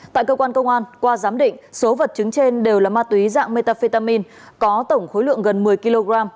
tại cơ quan công an qua giám định số vật chứng trên đều là ma túy dạng metafetamin có tổng khối lượng gần một mươi kg